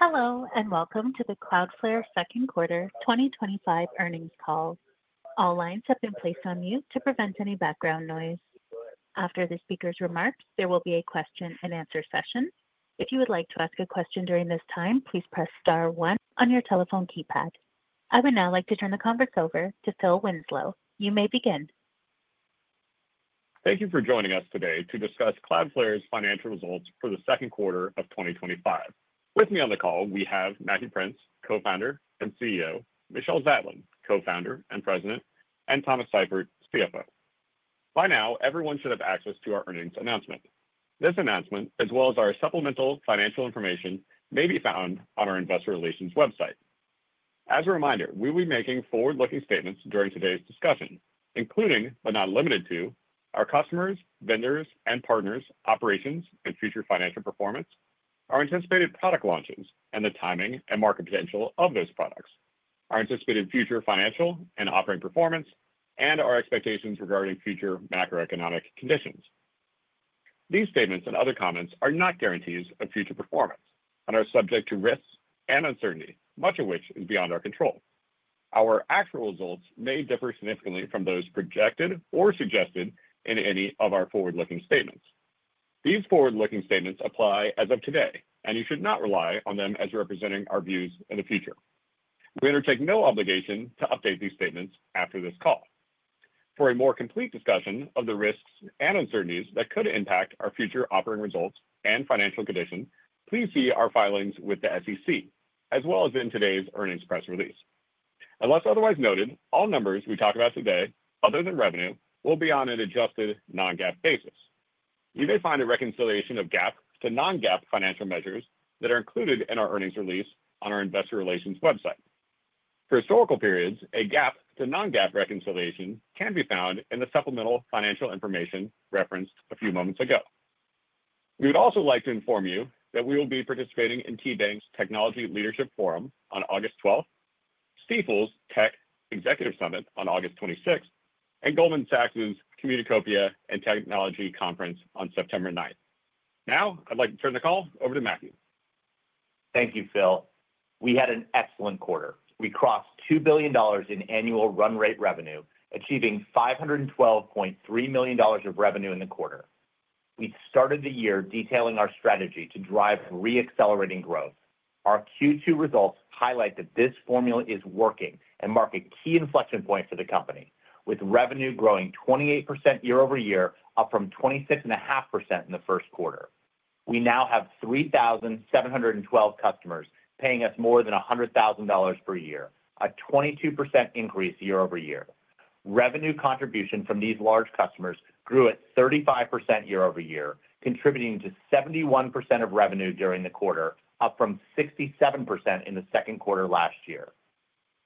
Hello and welcome to the Cloudflare second quarter 2025 earnings call. All lines have been placed on mute to prevent any background noise. After the speaker's remarks, there will be a question and answer session. If you would like to ask a question during this time, please press star 1 on your telephone keypad. I would now like to turn the conference over to Phil Winslow. You may begin. Thank you for joining us today to discuss Cloudflare's financial results for the second quarter of 2025. With me on the call we have Matthew Prince, Co-Founder and CEO, Michelle Zatlyn, Co-Founder and President, and Thomas Seifert, CFO. By now everyone should have access to our earnings announcement. This announcement, as well as our supplemental financial information, may be found on our Investor Relations website. As a reminder, we will be making forward-looking statements during today's discussion, including but not limited to our customers, vendors and partners, operations and future financial performance, our anticipated product launches and the timing and market potential of those products, our anticipated future financial and operating performance, and our expectations regarding future macroeconomic conditions. These statements and other comments are not guarantees of future performance and are subject to risks and uncertainty, much of which is beyond our control. Our actual results may differ significantly from those projected or suggested in any of our forward-looking statements. These forward-looking statements apply as of today and you should not rely on them as representing our views in the future. We undertake no obligation to update these statements after this call. For a more complete discussion of the risks and uncertainties that could impact our future operating results and financial condition, please see our filings with the SEC as well as in today's earnings press release. Unless otherwise noted, all numbers we talk about today other than revenue will be on an adjusted non-GAAP basis. You may find a reconciliation of GAAP to non-GAAP financial measures that are included in our earnings release on our Investor Relations website for historical periods. A GAAP to non-GAAP reconciliation can be found in the supplemental financial information referenced a few moments ago. We would also like to inform you that we will be participating in TeaBank's Technology Leadership Forum on August 12, Stifel's Tech Executive Summit on August 26, and Goldman Sachs Communacopia and Technology Conference on September 9. Now I'd like to turn the call over to Matthew. Thank you, Phil. We had an excellent quarter. We crossed $2 billion in annual run rate revenue, achieving $512.3 million of revenue in the quarter. We started the year detailing our strategy to drive re-accelerating growth. Our Q2 results highlight that this formula is working and mark a key inflection point for the company. With revenue growing 28% year over year, up from 26.5% in the first quarter, we now have 3,712 customers paying us more than $100,000 per year, a 22% increase year-over-year. Revenue contribution from these large customers grew at 35% year over year, contributing to 71% of revenue during the quarter, up from 67% in the second quarter last year.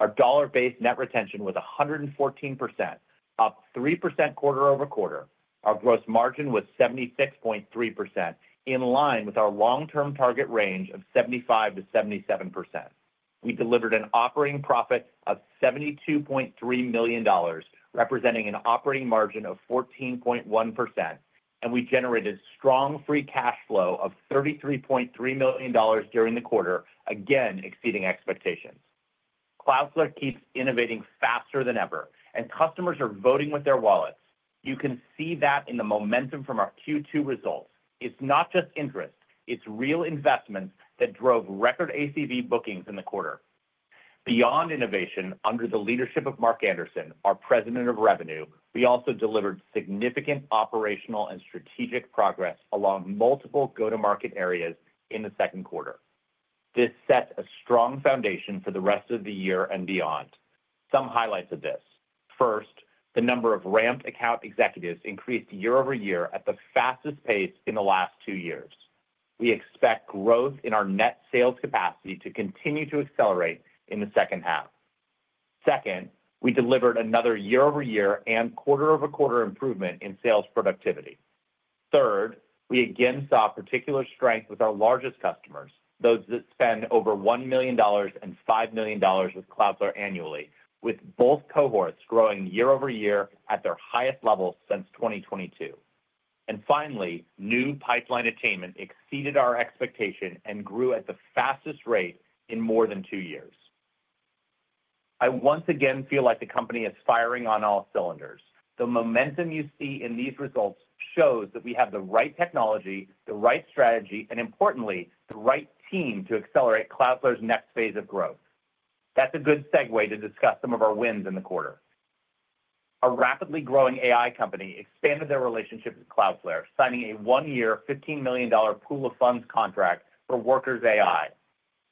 Our dollar-based net retention was 114%, up 3% quarter over quarter. Our gross margin was 76.3%, in line with our long-term target range of 75%-77%. We delivered an operating profit of $72.3 million, representing an operating margin of 14.1%. We generated strong free cash flow of $33.3 million during the quarter, again exceeding expectations. Cloudflare keeps innovating faster than ever, and customers are voting with their wallets. You can see that in the momentum from our Q2 results. It's not just interesting, it's real investments that drove record ACV bookings in the quarter. Beyond innovation, under the leadership of Mark Anderson, our President of Revenue, we also delivered significant operational and strategic progress along multiple go-to-market areas in the second quarter. This sets a strong foundation for the rest of the year and beyond. Some highlights of this: first, the number of ramped account executives increased year over year at the fastest pace in the last two years. We expect growth in our net sales capacity to continue to accelerate in the second half. Second, we delivered another year-over-year and quarter-over-quarter improvement in sales productivity. Third, we again saw particular strength with our largest customers, those that spend over $1 million and $5 million with Cloudflare annually, with both cohorts growing year over year at their highest level since 2022. Finally, new pipeline attainment exceeded our expectation and grew at the fastest rate in more than two years. I once again feel like the company is firing on all cylinders. The momentum you see in these results shows that we have the right technology, the right strategy, and importantly the right team to accelerate Cloudflare's next phase of growth. That's a good segue to discuss some of our wins in the quarter. A rapidly growing AI company expanded their relationship with Cloudflare, signing a one year $15 million pool of funds contract for Workers AI.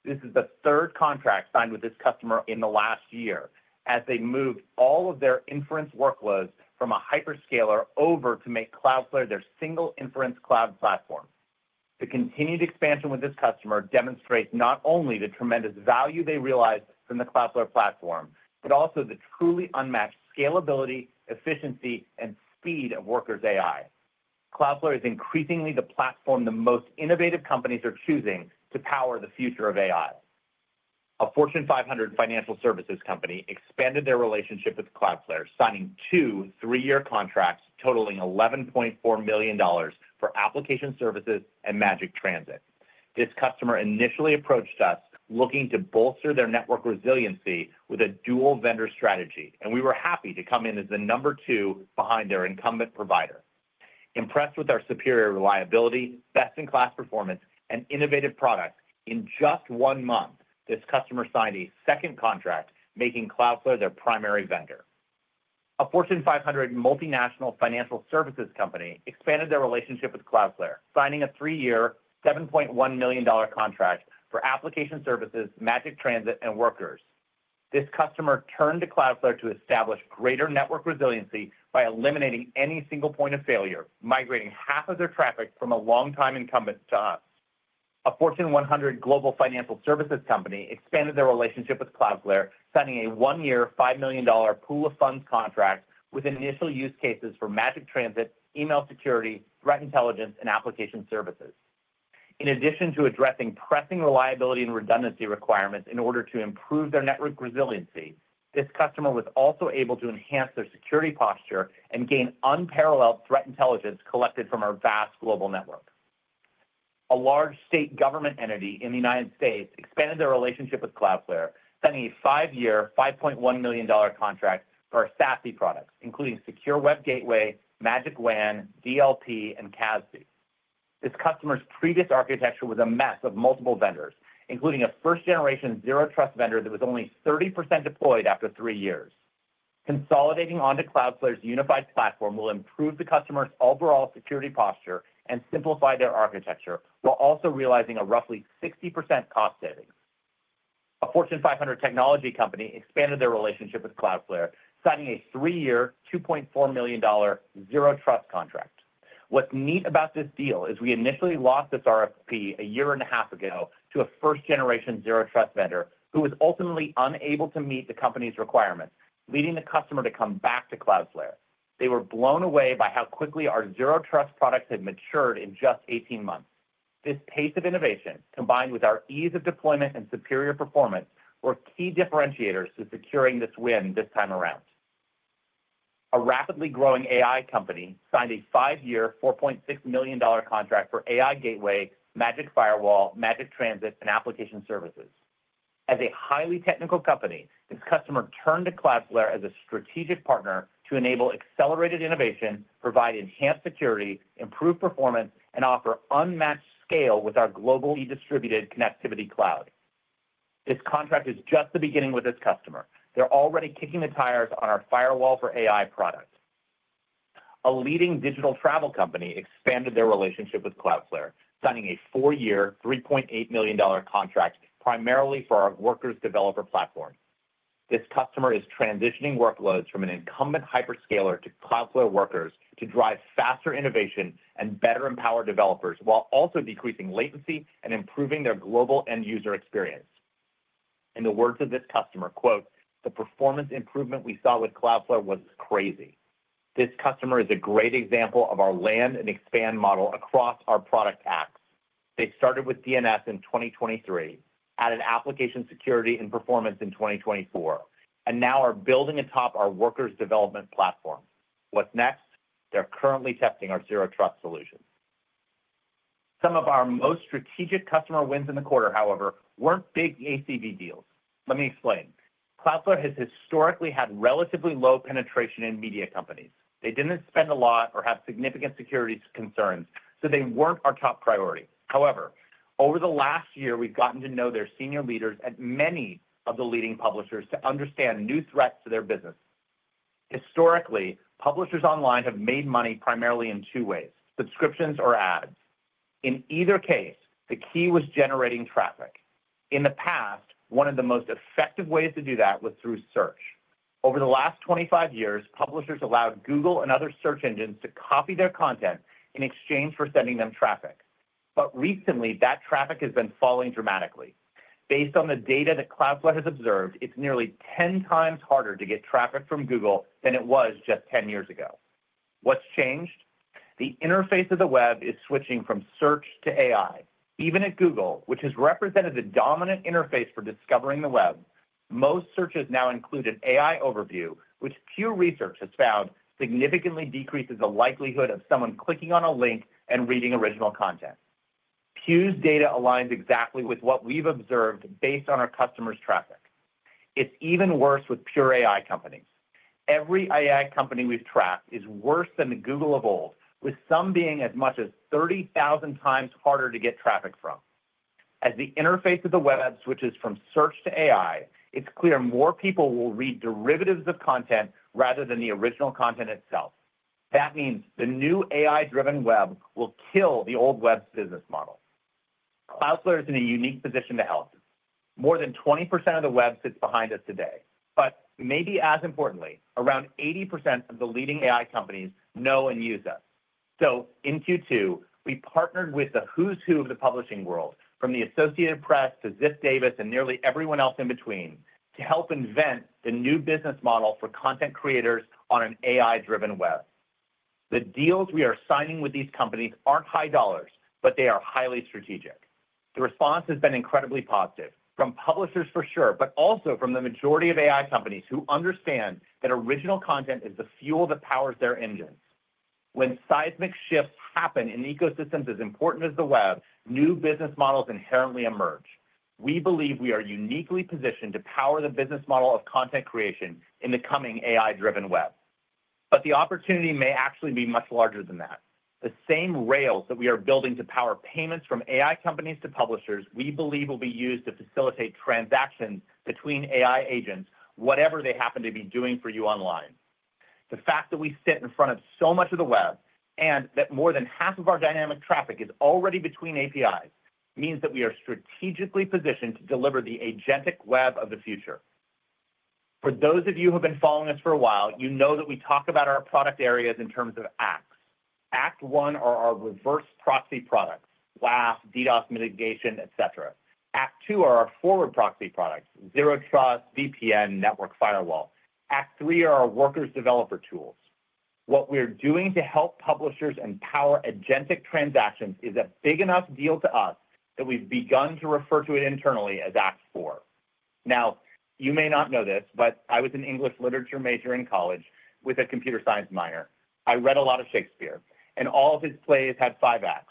This is the third contract signed with this customer in the last year as they moved all of their inference workloads from a hyperscaler over to make Cloudflare their single inference cloud platform. The continued expansion with this customer demonstrates not only the tremendous value they realize from the Cloudflare platform, but also the truly unmatched scalability, efficiency, and speed of Workers AI. Cloudflare is increasingly the platform the most innovative companies are choosing to power the future of AI. A Fortune 500 financial services company expanded their relationship with Cloudflare, signing two three year contracts totaling $11.4 million for application services and Magic Transit. This customer initially approached us looking to bolster their network resiliency with a dual vendor strategy, and we were happy to come in as the number two behind their incumbent provider, impressed with our superior reliability, best in class performance, and innovative products. In just one month, this customer signed a second contract making Cloudflare their primary vendor. A Fortune 500 multinational financial services company expanded their relationship with Cloudflare by signing a three year $7.1 million contract for application services, Magic Transit, and Workers. This customer turned to Cloudflare to establish greater network resiliency by eliminating any single point of failure, migrating half of their traffic from a longtime incumbent to us. A Fortune 100 global financial services company expanded their relationship with Cloudflare, signing a one year $5 million pool of funds contract with initial use cases for Magic Transit, email security, threat intelligence, and application services. In addition to addressing pressing reliability and redundancy requirements in order to improve their network resiliency, this customer was also able to enhance their security posture and gain unparalleled threat intelligence collected from our vast global network. A large U.S. state government entity expanded their relationship with Cloudflare, signing a five year $5.1 million contract for our Secure Access Service Edge (SASE) products including Secure Web Gateway, Magic WAN, DLP, and CASB. This customer's previous architecture was a mess of multiple vendors, including a first generation Zero Trust vendor that was only 30% deployed after three years. Consolidating onto Cloudflare's unified platform will improve the customer's overall security posture and simplify their architecture while also realizing a roughly 60% cost savings. A Fortune 500 technology company expanded their relationship with Cloudflare, signing a three year $2.4 million Zero Trust contract. What's neat about this deal is we initially lost this RFP a year and a half ago to a first generation Zero Trust vendor who was ultimately unable to meet the company's requirements, leading the customer to come back to Cloudflare. They were blown away by how quickly our Zero Trust products had matured in just 18 months. This pace of innovation, combined with our ease of deployment and superior performance, were key differentiators to securing this win. This time around, a rapidly growing AI company signed a five year $4.6 million contract for AI Gateway, Magic Firewall, Magic Transit, and Application services. As a highly technical company, this customer turned to Cloudflare as a strategic partner to enable accelerated innovation, provide enhanced security, improve performance, and offer unmatched scale with our globally distributed Connectivity Cloud. This contract is just the beginning with this customer. They're already kicking the tires on our Firewall for AI product. A leading digital travel company expanded their relationship with Cloudflare, signing a four year $3.8 million contract primarily for our Workers developer platform. This customer is transitioning workloads from an incumbent hyperscaler to Cloudflare Workers to drive faster innovation and better empower developers while also decreasing latency and improving their global end user experience. In the words of this customer, "the performance improvement we saw with Cloudflare was crazy." This customer is a great example of our land and expand model across our product apps. They started with DNS in 2023, added application security and performance in 2024, and now are building atop our Workers development platform. What's next? They're currently testing our Zero Trust solutions. Some of our most strategic customer wins in the quarter, however, weren't big ACV deals. Let me explain. Cloudflare has historically had relatively low penetration in media companies. They didn't spend a lot or have significant security concerns, so they weren't our top priority. However, over the last year, we've gotten to know their senior leaders at many of the leading publishers to understand new threats to their business. Historically, publishers online have made money primarily in two ways, subscriptions or ads. In either case, the key was generating traffic. In the past, one of the most effective ways to do that was through search. Over the last 25 years, publishers allowed Google and other search engines to copy their content in exchange for sending them traffic. Recently, that traffic has been falling dramatically. Based on the data that Cloudflare has observed, it's nearly 10 times harder to get traffic from Google than it was just 10 years ago. What's changed? The interface of the web is switching from search to AI. Even at Google, which has represented the dominant interface for discovering the web, most searches now include an AI overview, which Pew Research has found significantly decreases the likelihood of someone clicking on a link and reading original content. Pew's data aligns exactly with what we've observed based on our customers' traffic. It's even worse with pure AI companies. Every AI company we've tracked is worse than the Google of old, with some being as much as 30,000x harder to get traffic from. As the interface of the web app switches from search to AI, it's clear more people will read derivatives of content rather than the original content itself. That means the new AI-driven web will kill the old web business model. Cloudflare is in a unique position to help. More than 20% of the web sits behind us today, but maybe as importantly, around 80% of the leading AI companies know and use us. In Q2 we partnered with the who's who of the publishing world, from the Associated Press to Ziff Davis and nearly everyone else in between, to help invent the new business model for content creators on an AI-driven web. The deals we are signing with these companies aren't high dollars, but they are highly strategic. The response has been incredibly positive from publishers for sure, but also from the majority of AI companies who understand that original content is the fuel that powers their engines. When seismic shifts happen in ecosystems as important as the web, new business models inherently emerge. We believe we are uniquely positioned to power the business model of content creation in the coming AI-driven web. The opportunity may actually be much larger than that. The same rails that we are building to power payments from AI companies to publishers, we believe, will be used to facilitate transactions between AI agents, whatever they happen to be doing for you online. The fact that we sit in front of so much of the web and that more than half of our dynamic traffic is already between APIs means that we are strategically positioned to deliver the agentic web of the future. For those of you who have been following us for a while, you know that we talk about our product areas in terms of Acts. Act 1 are our reverse proxy products: WAF, DDoS mitigation, etc. Act 2 are our forward proxy products: Zero Trust, VPN, network firewall. Act 3 are our Workers developer tools. What we're doing to help publishers empower agentic transactions is a big enough deal to us that we've begun to refer to it internally as Act 4. You may not know this, but I was an English literature major in college with a computer science minor. I read a lot of Shakespeare, and all of his plays had five acts.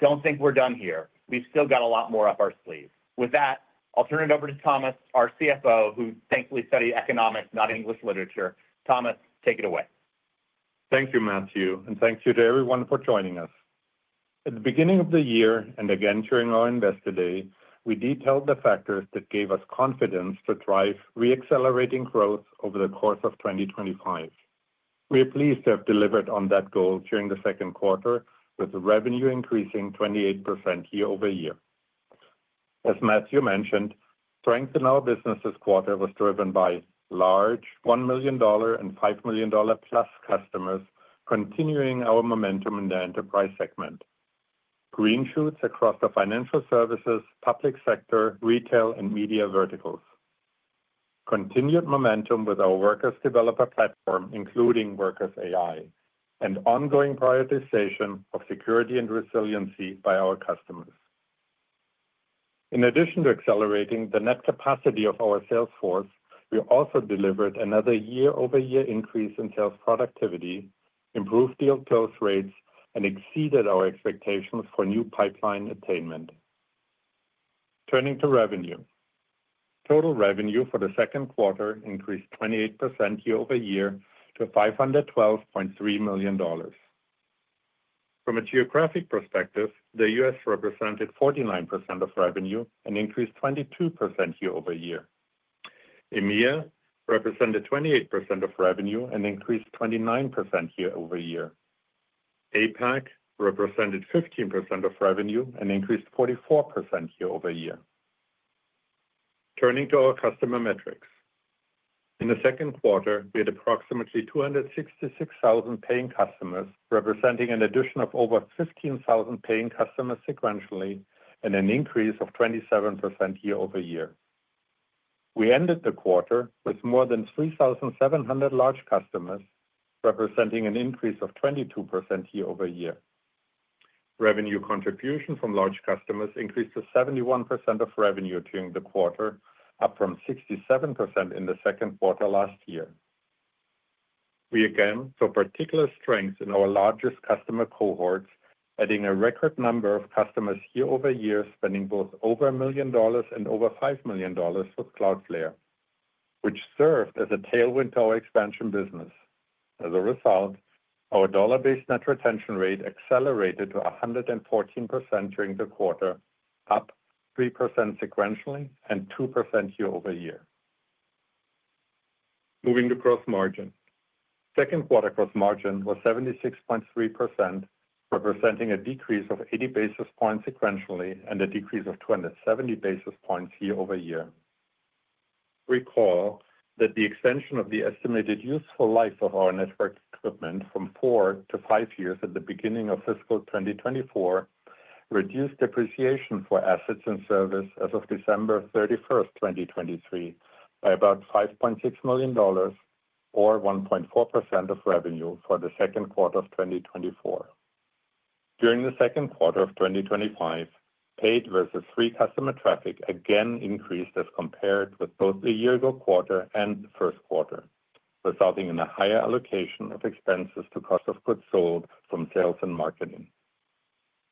Don't think we're done here. We've still got a lot more up our sleeve. With that, I'll turn it over to Thomas, our CFO, who thankfully studied economics, not English literature. Thomas, take it away. Thank you, Matthew. Thank you to everyone for joining us. At the beginning of the year and again during our investor day, we detailed the factors that gave us confidence to drive reaccelerating growth over the course of 2025. We are pleased to have delivered on that goal during the second quarter, with revenue increasing 28% year-over-year. As Matthew mentioned, strength in our business this quarter was driven by large $1 million and $5 million plus customers, continuing our momentum in the enterprise segment, green shoots across the financial services, public sector, retail, and media verticals, continued momentum with our Workers developer platform including Workers AI, and ongoing prioritization of security and resiliency by our customers. In addition to accelerating the net capacity of our sales force, we also delivered another year over year increase in sales productivity, improved deal close rates, and exceeded our expectations for new pipeline attainment. Turning to revenue, total revenue for the second quarter increased 28% year-over-year to $512.3 million. From a geographic perspective, the U.S. represented 49% of revenue and increased 22% year-over-year. EMEA represented 28% of revenue and increased 29% year-over-year. APAC represented 15% of revenue and increased 44% year over year. Turning to our customer metrics, in the second quarter we had approximately 266,000 paying customers, representing an addition of over 15,000 paying customers sequentially and an increase of 27% year over year. We ended the quarter with more than 3,700 large customers, representing an increase of 22% year over year. Revenue contribution from large customers increased to 71% of revenue during the quarter, up from 67% in the second quarter last year. We again saw particular strength in our largest customer cohorts, adding a record number of customers year over year, spending both over $1 million and over $5 million with Cloudflare, which served as a tailwind to our expansion business. As a result, our dollar-based net retention rate accelerated to 114% during the quarter, up 3% sequentially and 2% year over year. Moving to gross margin, second quarter gross margin was 76.3%, representing a decrease of 80 basis points sequentially and a decrease of 270 basis points year over year. Recall that the extension of the estimated useful life of our network equipment from four-five years at the beginning of fiscal 2024 reduced depreciation for assets in service as of December 31, 2023 by about $5.6 million or 1.4% of revenue for the second quarter of 2024. During the second quarter of 2025, paid versus free customer traffic again increased as compared with both the year-ago quarter and the first quarter, resulting in a higher allocation of expenses to cost of goods sold from sales and marketing.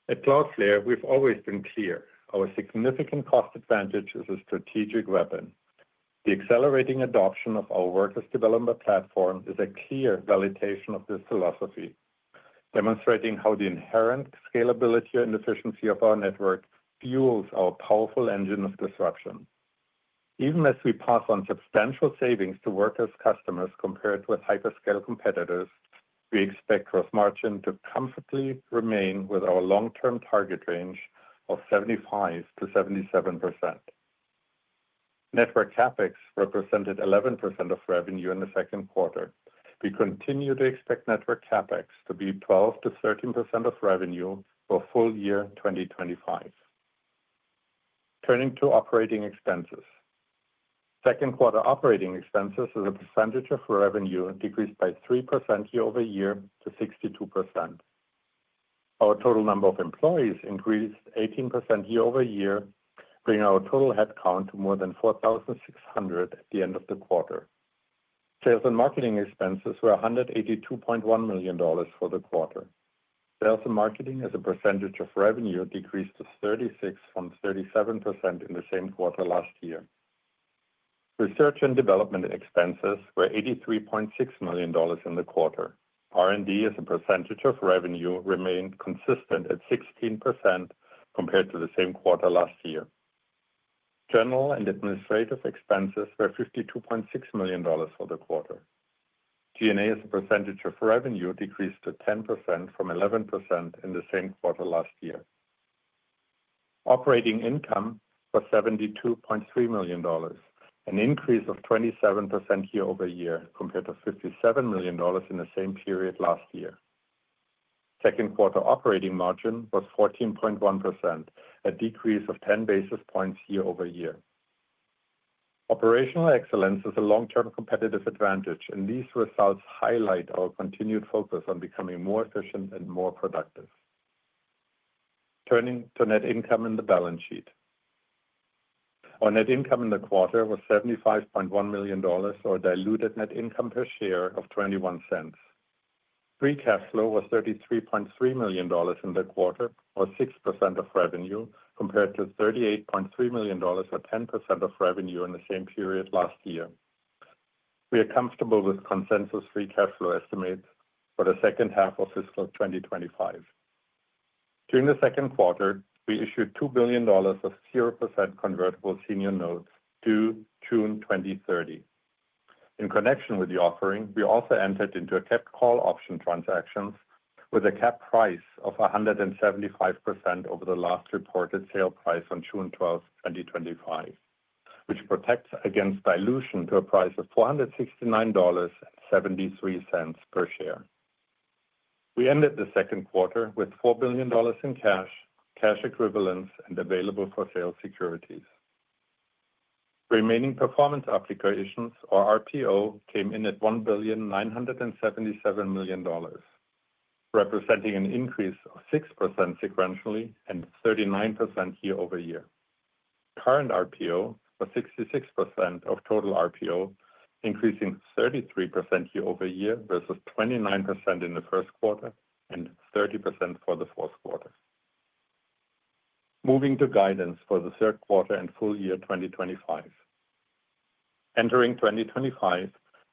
At Cloudflare, we've always been clear our significant cost advantage is a strategic weapon. The accelerating adoption of our Workers development platform is a clear validation of this philosophy, demonstrating how the inherent scalability and efficiency of our network fuels our powerful engine of disruption. Even as we pass on substantial savings to Workers customers compared with hyperscale competitors, we expect gross margin to comfortably remain within our long-term target range of 75%-77%. Network CapEx represented 11% of revenue in the second quarter. We continue to expect network CapEx to be 12%-13% of revenue for full year 2025. Turning to operating expenses, second quarter operating expenses as a percentage of revenue decreased by 3% year-over-year to 62%. Our total number of employees increased 18% year-over-year, bringing our total headcount to more than 4,600 at the end of the quarter. Sales and marketing expenses were $182.1 million for the quarter. Sales and marketing as a percentage of revenue decreased to 36% from 37% in the same quarter last year. Research and development expenses were $83.6 million in the quarter. R&D as a percentage of revenue remained consistent at 16% compared to the same quarter last year. General and administrative expenses were $52.6 million for the quarter. G&A as a percentage of revenue decreased to 10% from 11% in the same quarter last year. Operating income was $72.3 million, an increase of 27% year over year compared to $57 million in the same period last year. Second quarter operating margin was 14.1%, a decrease of 10 basis points year over year. Operational excellence is a long-term competitive advantage and these results highlight our continued focus on becoming more efficient and more productive. Turning to net income and the balance sheet, our net income in the quarter was $75.1 million or diluted net income per share of $0.21. Free cash flow was $33.3 million in the quarter, or 6% of revenue, compared to $38.3 million, or 10% of revenue, in the same period last year. We are comfortable with consensus free cash flow estimates for the second half of fiscal 2025. During the second quarter, we issued $2 billion of 0% convertible senior notes due June 2030. In connection with the offering, we also entered into capped call option transactions with a cap price of 175% over the last reported sale price on June 12, 2025, which protects against dilution to a price of $469.73 per share. We ended the second quarter with $4 billion in cash, cash equivalents, and available-for-sale securities. Remaining performance obligations, or RPO, came in at $1.977 billion, representing an increase of 6% sequentially and 39% year over year. Current RPO was 66% of total RPO, increasing 33% year over year versus 29% in the first quarter and 30% for the fourth quarter. Moving to guidance for the third quarter and full year 2025, entering 2025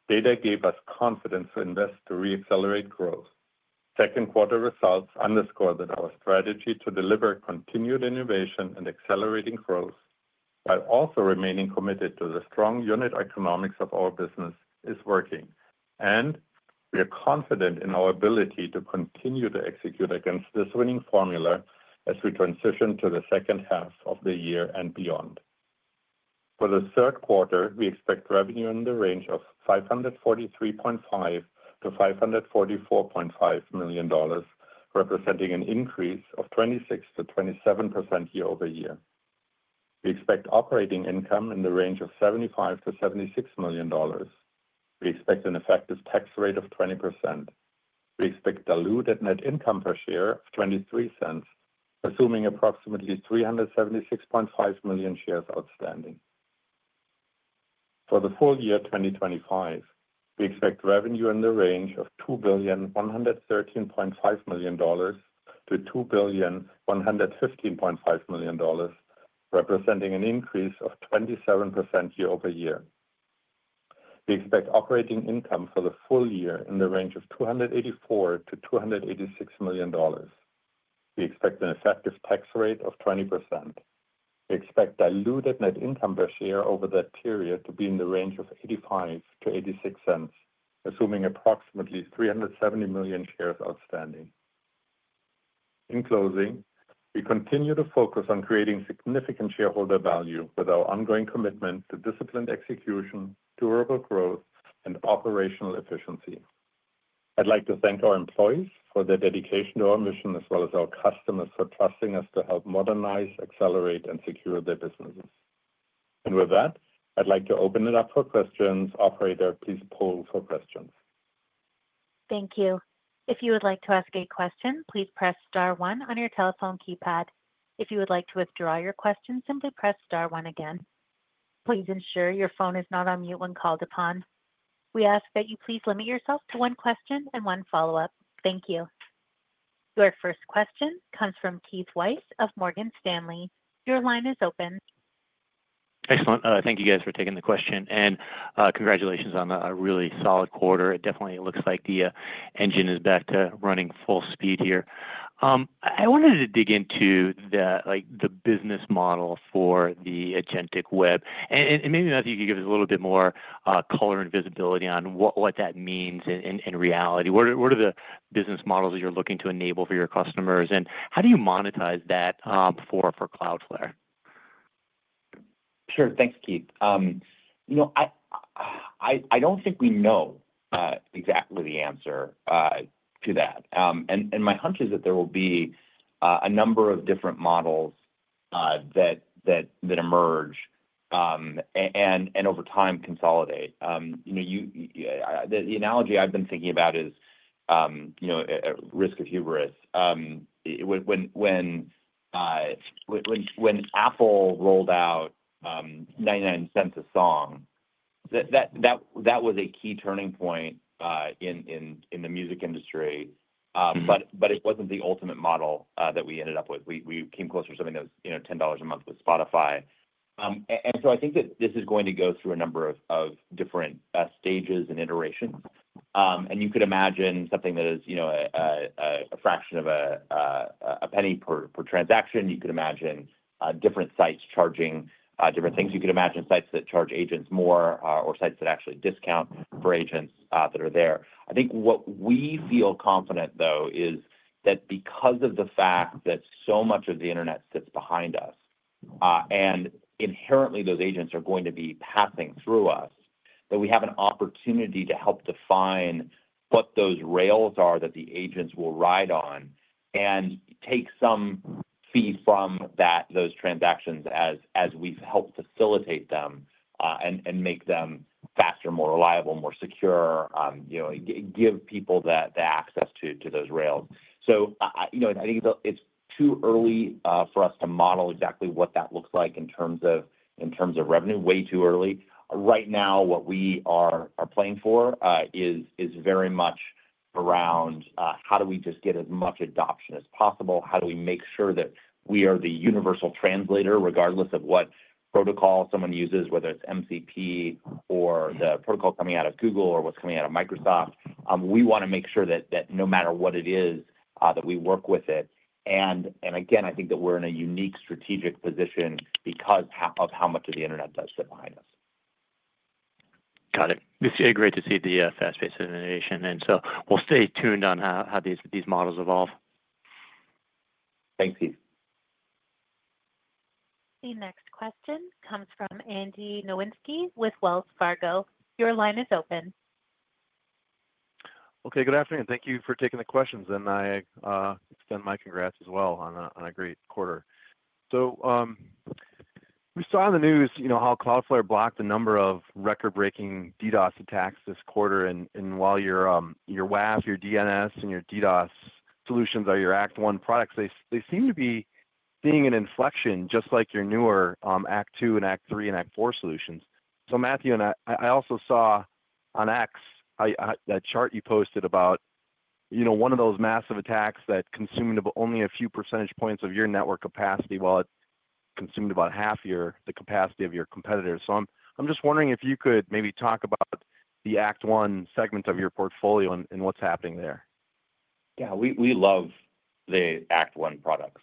data gave us confidence to invest to reaccelerate growth. Second quarter results underscore that our strategy to deliver continued innovation and accelerating growth while also remaining committed to the strong unit economics of our business is working, and we are confident in our ability to continue to execute against this winning formula as we transition to the second half of the year and beyond. For the third quarter, we expect revenue in the range of $543.5 million-$544.5 million, representing an increase of 26%-27% year-over-year. We expect operating income in the range of $75 million-$76 million. We expect an effective tax rate of 20%. We expect diluted net income per share of $0.23, assuming approximately 376.5 million shares outstanding. For the full year 2025, we expect revenue in the range of $2,113.0 million-$2,115.5 million, representing an increase of 27% year-over-year. We expect operating income for the full year in the range of $284 million-$286 million. We expect an effective tax rate of 20%. We expect diluted net income per share over that period to be in the range of $0.85 to $0.86, assuming approximately 370 million shares outstanding. In closing, we continue to focus on creating significant shareholder value with our ongoing commitment to disciplined execution, durable growth, and operational efficiency. I'd like to thank our employees for their dedication to our mission, as well as our customers for trusting us to help modernize, accelerate, and secure their businesses. With that, I'd like to open it up for questions. Operator, please poll for questions. Thank you. If you would like to ask a question, please press Star one on your telephone keypad. If you would like to withdraw your question, simply press Star one again. Please ensure your phone is not on mute when called upon. We ask that you please limit yourself to one question and one follow up. Thank you. Your first question comes from Keith Weiss of Morgan Stanley. Your line is open. Excellent. Thank you guys for taking the question and congratulations on a really solid quarter. It definitely looks like the engine is back to running full speed here. I wanted to dig into the business model for the agentic web and maybe Matthew, you could give us a little bit more color and visibility on what that means in reality. What are the business models that you're looking to enable for your customers and how do you monetize that for Cloudflare? Sure. Thanks, Keith. I don't think we know exactly the answer to that and my hunch is that there will be a number of different models that emerge and over time consolidate. The analogy I've been thinking about is, you know, risk of hubris when Apple rolled out $0.99 a song, that was a key turning point in the music industry, but it wasn't the ultimate model that we ended up with. We came closer to something that was, you know, $10 a month with Spotify. I think that this is going to go through a number of different stages and iterations and you could imagine something that is a fraction of a penny per transaction. You could imagine different sites charging different things. You could imagine sites that charge agents more or sites that actually discount for agents that are there. I think what we feel confident though is that because of the fact that so much of the Internet sits behind us and inherently those agents are going to be passing through us, we have an opportunity to help define what those rails are that the agents will ride on and take some fee from those transactions as we help facilitate them and make them faster, more reliable, more secure, give people that access to those rails. I think it's too early for us to model exactly what that looks like in terms of revenue. Way too early. Right now what we are playing for is very much around how do we just get as much adoption as possible, how do we make sure that we are the universal translator regardless of what protocol someone uses, whether it's MCP or the protocol coming out of Google or what's coming out of Microsoft. We want to make sure that no matter what it is, we work with it. I think that we're in a unique strategic position because of how much of the Internet does sit behind us. Got it. It's great to see the fast-paced innovation and we'll stay tuned on how these models evolve. Thanks you. The next question comes from Andrew Nowinski with Wells Fargo. Your line is open. Okay, good afternoon. Thank you for taking the questions. I extend my congrats as well on a great quarter. We saw in the news, you. Know how Cloudflare blocked a number of record-breaking DDoS attacks this quarter. While your WAF, your DNS, and your DDoS solutions are your Act 1. Products, they seem to be seeing an. Inflection, just like your newer Act2, Act 3, and Act 4 solutions. Matthew and I also saw on X that chart you posted about one of those massive attacks that consumed only a few % of your network capacity, while it consumed about half the capacity of your competitors. I'm just wondering if you could maybe. Talk about the Act 1 segment of your portfolio and what's happening there. Yeah, we love the Act 1 products.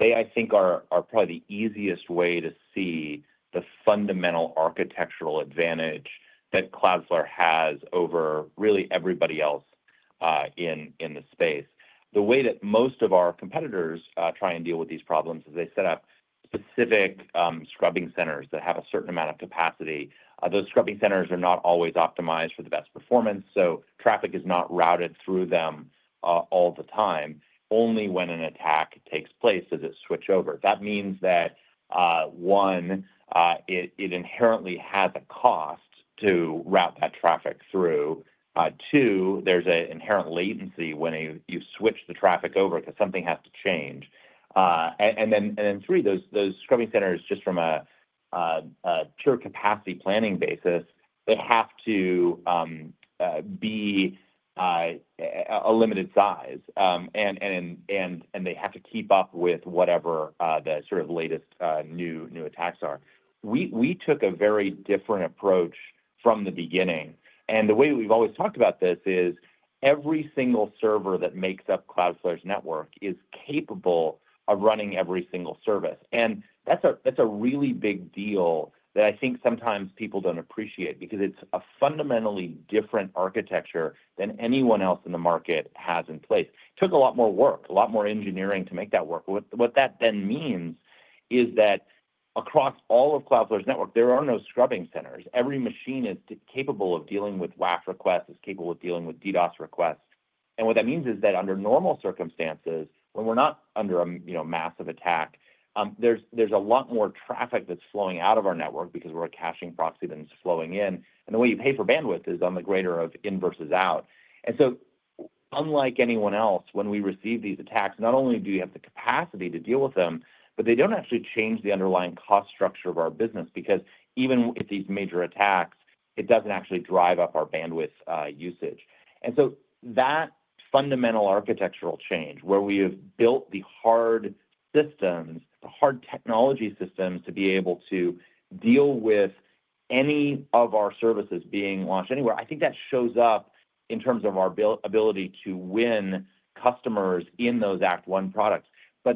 They, I think, are probably the easiest way to see the fundamental architectural advantage that Cloudflare has over really everybody else in the space. The way that most of our competitors try and deal with these problems is they set up specific scrubbing centers that have a certain amount of capacity. Those scrubbing centers are not always optimized for the best performance. Traffic is not routed through them all the time. Only when an attack takes place does it switch over. That means that, one, it inherently has a cost to route that traffic through. Two, there's an inherent latency when you switch the traffic over because something has to change. Three, those scrubbing centers, just from a pure capacity planning basis, have to be a limited size and they have to keep up with whatever the sort of latest new attacks are. We took a very different approach from the beginning. The way we've always talked about this is every single server that makes up Cloudflare's network is capable of running every single service. That's a really big deal that I think sometimes people don't appreciate because it's a fundamentally different architecture than anyone else in the market has in place. It took a lot more work, a lot more engineering to make that work. What that then means is that across all of Cloudflare's Network, there are no scrubbing centers. Every machine is capable of dealing with WAF requests, is capable of dealing with DDoS requests. What that means is that under normal circumstances, when we're not under a massive attack, there's a lot more traffic that's flowing out of our network because we're a caching proxy, than is flowing in. The way you pay for bandwidth is on the greater of in versus out. Unlike anyone else, when we receive these attacks, not only do you have the capacity to deal with them, but they don't actually change the underlying cost structure of our business because even with these major attacks, it doesn't actually drive up our bandwidth usage. That fundamental architectural change, where we have built the hard systems, the hard technology systems to be able to deal with any of our services being launched anywhere, I think that shows up in terms of our ability to win customers in those Act 1 products.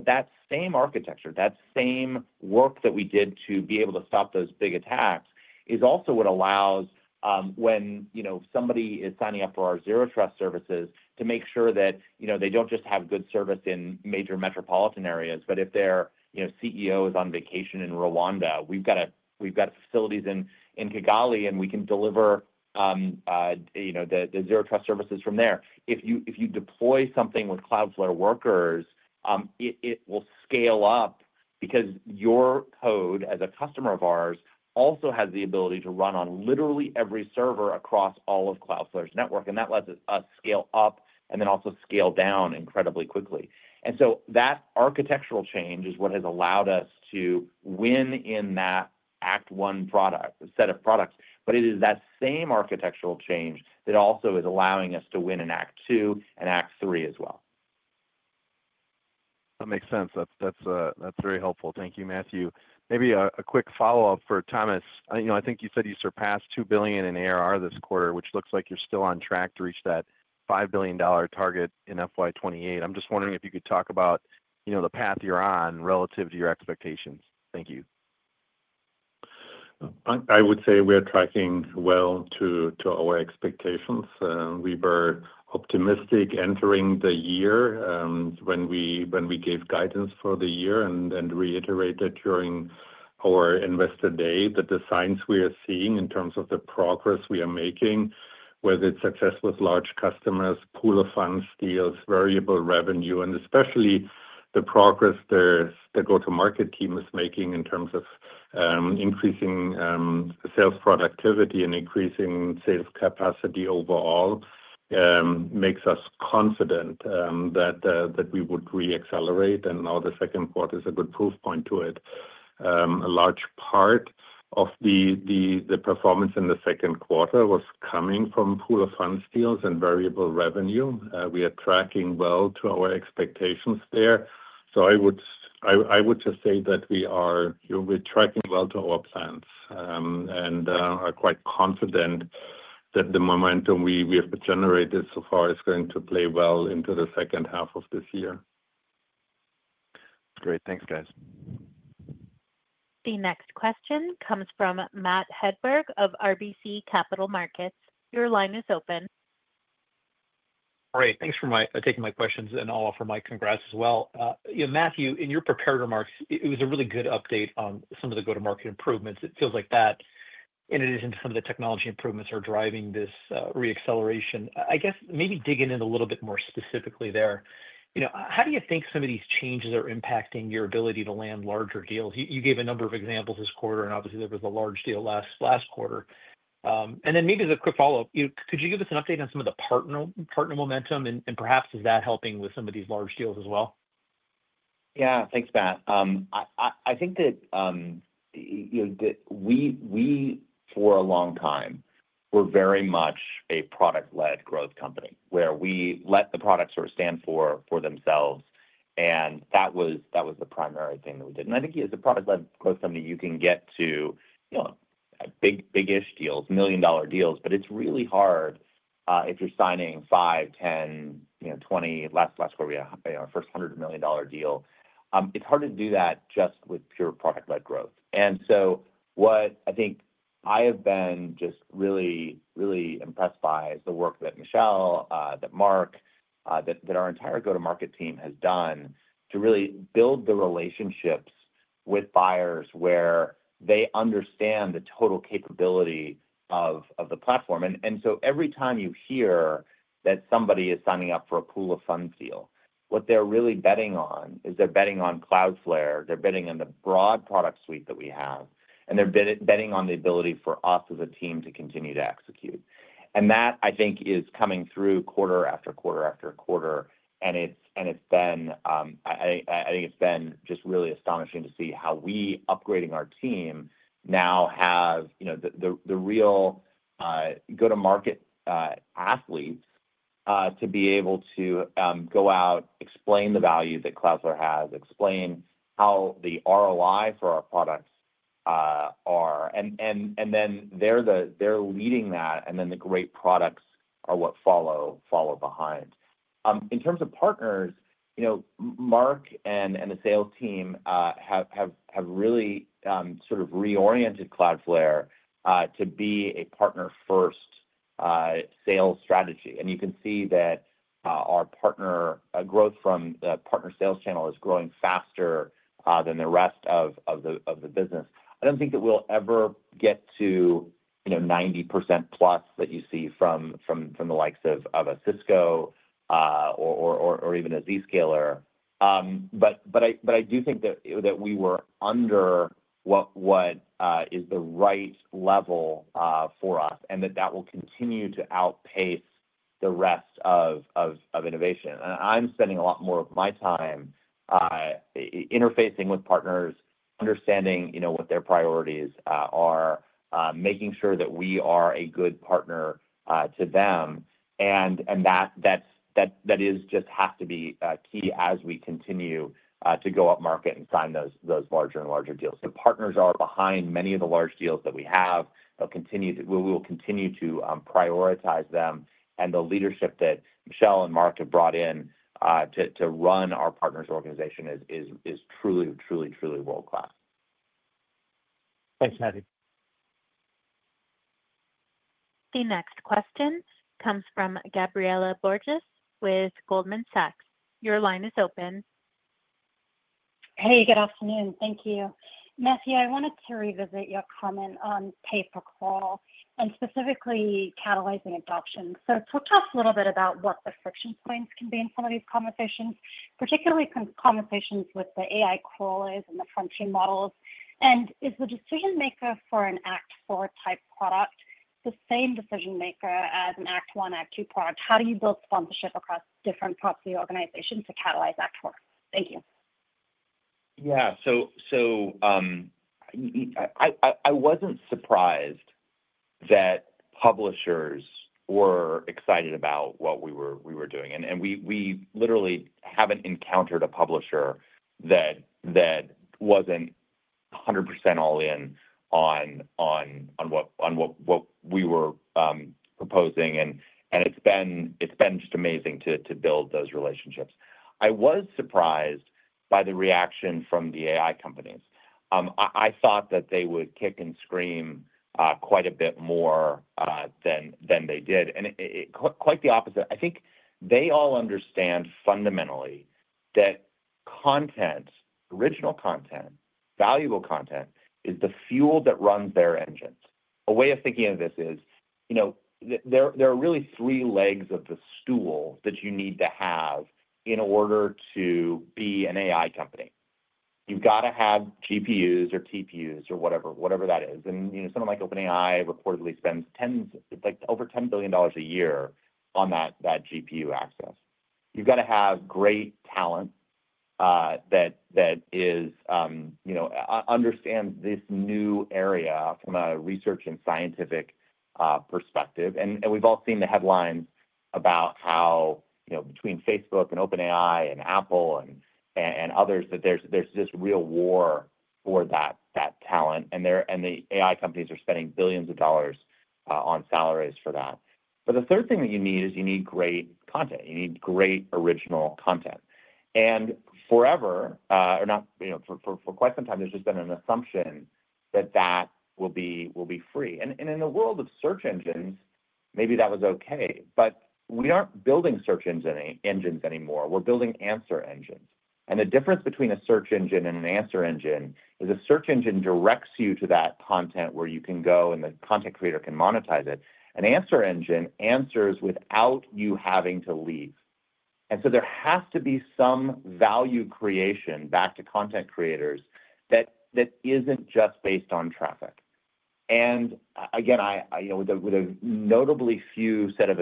That same architecture, that same work that we did to be able to stop those big attacks is also what allows, when somebody is signing up for our Zero Trust services, to make sure that they don't just have good service in major metropolitan areas. If their CEO is on vacation in Rwanda, we've got facilities in Kigali and we can deliver the Zero Trust services from there. If you deploy something with Cloudflare Workers, it will scale up because your code as a customer of ours also has the ability to run on literally every server across all of Cloudflare's network. That lets us scale up and also scale down incredibly quickly. That architectural change is what has allowed us to win in that Act 1 product set of products. It is that same architectural change that also is allowing us to win in Act 2 and Act 3 as well. That makes sense. That's very helpful. Thank you, Matthew. Maybe a quick follow-up for Thomas. I think you said you surpassed $2 billion in ARR this quarter, which looks like you're still on track to reach that $5 billion target in FY2028. I'm just wondering if you could talk about the path you're on relative to your expectations. Thank you. I would say we are tracking well to our expectations. We were optimistic entering the year when we gave guidance for the year and reiterated during our investor day that the signs we are seeing in terms of the progress we are making, whether it's success with large customers, pool of funds deals, variable revenue, and especially the progress there that the go-to-market team is making in terms of increasing sales productivity and increasing sales capacity overall, makes us confident that we would reaccelerate and now the second quarter is a good proof point to it. A large part of the performance in the second quarter was coming from pool of funds deals and variable revenue. We are tracking well to our expectations there. I would just say that we are tracking well to our plans and are quite confident that the momentum we have generated so far is going to play well into the second half of this year. Great. Thanks, guys. The next question comes from Matt Hedberg of RBC Capital Markets. Your line is open. Great, thanks for taking my questions and I'll offer my congrats as well. Matthew, in your prepared remarks it was a really good update on some of the go-to-market improvements it feels like and it is in some of the technology improvements are driving this reacceleration. I guess maybe digging in a little bit more specifically there. You know, how do you think some of these changes are impacting your ability to land larger deals? You gave a number of examples this quarter and obviously there was a large deal last quarter. And then maybe as a quick follow-up could you give us an update on some of the partner momentum and perhaps is that helping with some of these large deals as well? Yeah, thanks Matt. I think that you know we, for a long time, were very much a product-led growth company where we let the products stand for themselves and that was the primary thing that we did. I think as a product-led growth company you can get to big, big-ish deals, million dollar deals, but it's really hard if you're signing $5million, $10million, you know, $20 million. Last quarter we had our first $100 million deal. It's hard to do that just with pure product-led growth. What I think I have been just really, really impressed by is the work that Michelle, that Mark, that our entire go-to-market team has done to really build the relationships with buyers where they understand the total capability of the platform. Every time you hear that somebody is signing up for a pool of funds deal, what they're really betting on is they're betting on Cloudflare, they're betting on the broad product suite that we have, and they're betting on the ability for us as a team to continue to execute. That I think is coming through quarter after quarter after quarter. It's been, I think it's been just really astonishing to see how we upgrading our team now have the real go-to-market athletes to be able to go out, explain the value that Cloudflare has, explain how the ROI for our products are, and then they're leading that and then the great products are what follow behind. In terms of partners, Mark and the sales team have really sort of reoriented Cloudflare to be a partner-first sales strategy. You can see that our partner growth from partner sales channel is growing faster than the rest of the business. I don't think that we'll ever get to 90%+ that you see from the likes of a Cisco or even a Zscaler. I do think that we were under what is the right level for us and that will continue to outpace the rest of innovation. I'm spending a lot more of my time interfacing with partners, understanding what their priorities are, making sure that we are a good partner to them. That just has to be key as we continue to go up market and sign those larger and larger deals. The partners are behind many of the large deals that we have. We will continue to prioritize them. The leadership that Michelle and Mark have brought in to run our partners organization is truly, truly, truly world class. Thanks, Matthew. The next question comes from Gabriela Borges with Goldman Sachs. Your line is open. Hey, good afternoon. Thank you, Matthew. I wanted to revisit your comment on pay per crawl and specifically catalyzing adoption. Talk to us a little bit about what the friction points can be in some of these conversations, particularly conversations with the AI crawlers and the frontier models. Is the decision maker for an Act 4 type product the same decision maker as an Act 1 or Act 2 product? How do you build sponsorship across different parts of the organization to catalyze Act 4? Thank you. Yeah, I wasn't surprised that publishers were excited about what we were doing. We literally haven't encountered a publisher that wasn't 100% all in on what we were proposing. It's been just amazing to build those relationships. I was surprised by the reaction from the AI companies. I thought that they would kick and scream quite a bit more than they did, and quite the opposite. I think they all understand fundamentally that content, original content, valuable content, is the fuel that runs their engines. A way of thinking of this is there are really three legs of the stool that you need to have in order to be an AI company. You've got to have GPUs or TPUs or whatever that is. Someone like OpenAI reportedly spends tens, like over $10 billion a year, on that GPU access. You've got to have great talent that understands this new area from a research and scientific perspective. We've all seen the headlines about how between Facebook and OpenAI and Apple and others, there's this real war for that talent, and the AI companies are spending billions of dollars on salaries for that. The third thing that you need is you need great content. You need great original content, and for quite some time, there's just been an assumption that that will be free. In the world of search engines, maybe that was okay. We aren't building search engines anymore, we're building answer engines. The difference between a search engine and an answer engine is the search engine directs you to that content where you can go and the content creator can monetize it. An answer engine answers without you having to leave. There has to be some value creation back to content creators that isn't just based on traffic. Again, with a notably few set of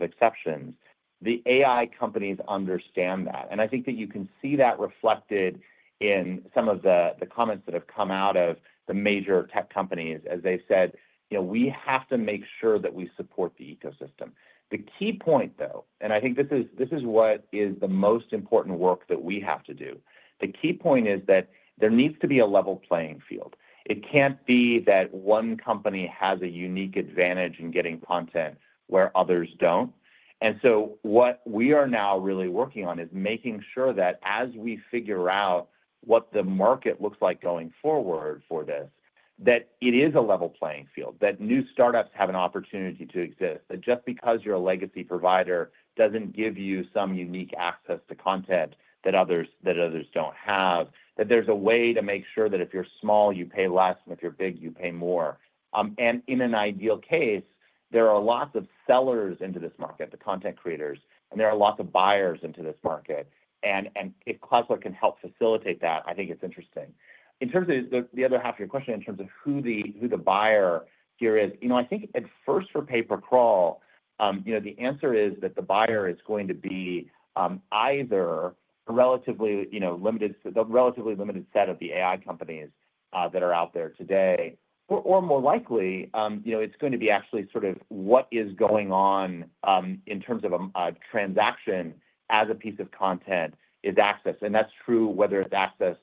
exceptions, the AI companies understand that. I think that you can see that reflected in some of the comments that have come out of the major tech companies. As they said, we have to make sure that we support the ecosystem. The key point, though, and I think this is what is the most important work that we have to do, the key point is that there needs to be a level playing field. It can't be that one company has a unique advantage in getting content where others don't. What we are now really working on is making sure that as we figure out what the market looks like going forward for this, it is a level playing field, that new startups have an opportunity to exist, that just because you're a legacy provider doesn't give you some unique access to content that others don't have. There is a way to make sure that if you're small, you pay less, and if you're big, you pay more. In an ideal case, there are lots of sellers into this market, the content creators, and there are lots of buyers into this market. If Cloudflare can help facilitate that, I think it's interesting. In terms of the other half of your question, in terms of who the buyer here is, at first, for pay per crawl, the answer is that the buyer is going to be either the relatively limited set of the AI companies that are out there today, or more likely, it's going to be actually what is going on in terms of a transaction as a piece of content is accessed. That's true whether it's accessed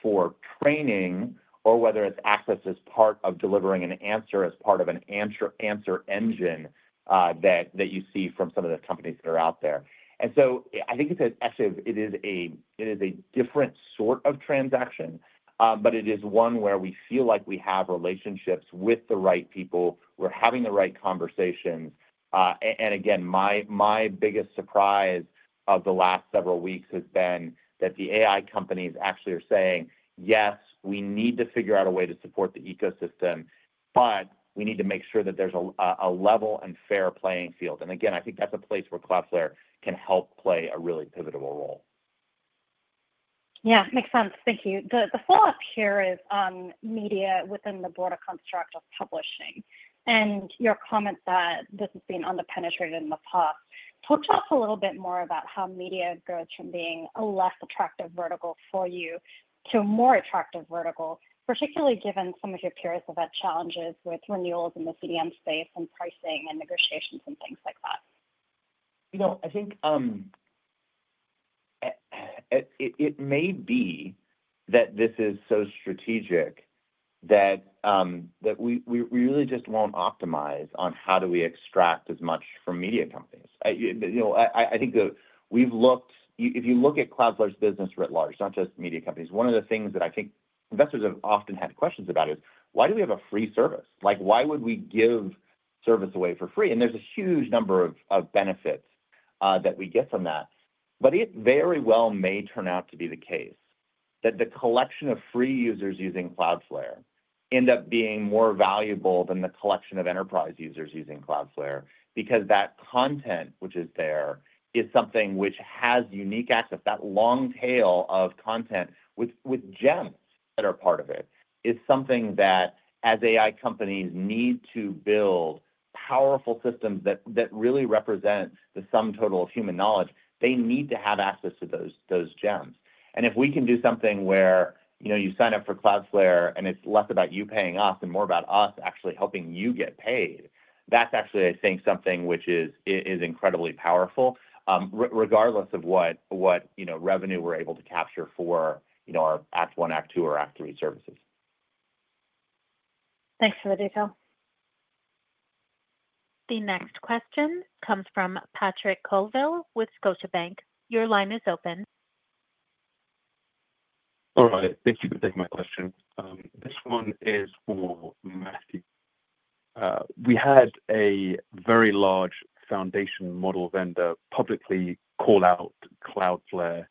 for training or whether it's accessed as part of delivering an answer, as part of an answer engine that you see from some of the companies that are out there. I think it is a different sort of transaction, but it is one where we feel like we have relationships with the right people, we're having the right conversations. My biggest surprise of the last several weeks has been that the AI companies actually are saying, yes, we need to figure out a way to support the ecosystem, but we need to make sure that there's a level and fair playing field. I think that's a place where Cloudflare can help play a really pivotal role. Yeah, makes sense. Thank you. The follow up here is on media within the broader construct of publishing and your comment that this has been underpenetrated in the past. Talk to us a little bit more about how media goes from being a less attractive vertical for you to a more attractive vertical, particularly given some of your peers have had challenges with renewals in the CDN space and pricing and negotiations and things like that. I think it may be that this is so strategic that we really just won't optimize on how do we extract as much from media companies. I think that we've looked. If you look at Cloudflare's business writ large, not just media companies, one of the things that I think investors have often had questions about is why do we have a free service, like why would we give service away for free? There is a huge number of benefits that we get from that. It very well may turn out to be the case that the collection of free users using Cloudflare end up being more valuable than the collection of enterprise users using Cloudflare because that content which is there is something which has unique access. That long tail of content with gems that are part of it is something that as AI companies need to build powerful systems that really represent the sum total of human knowledge, they need to have access to those gems. If we can do something where you sign up for Cloudflare and it's less about you paying off and more about us actually helping you get paid, that's actually, I think, something which is incredibly powerful regardless of what revenue we're able to capture for our Act 1, Act 2, or Act 3 services. Thanks for the detail. The next question comes from Patrick Colville with Scotiabank. Your line is open. All right, thank you for taking my question. This one is for Matthew. We had a very large foundation model. Vendor publicly call out Cloudflare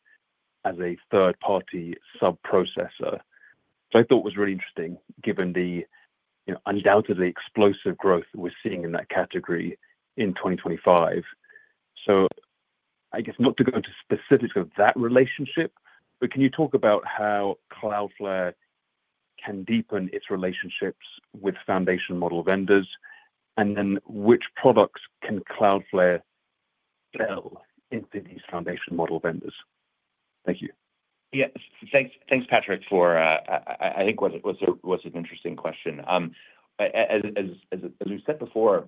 as a third party sub processor, which I thought was really interesting given the undoubtedly explosive growth we're seeing in that category in 2025. I guess not to go into specifics of that relationship, but can you talk about how Cloudflare can deepen its relationships with foundation model vendors and then which products can Cloudflare sell into these foundation model vendors? Thank you. Yes, thanks Patrick. I think it was an interesting question. As we said before,